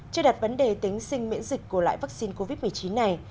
chưa đặt vấn đề tính sinh miễn dịch của loại vaccine covid một mươi chín này